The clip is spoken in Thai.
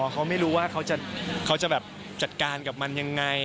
เขาไม่รู้ว่าเขาจะแบบจัดการกับมันยังไง